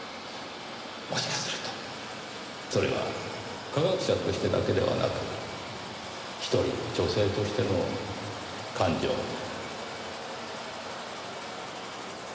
もしかするとそれは科学者としてだけではなく一人の女性としての感情も。